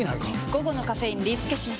午後のカフェインリスケします！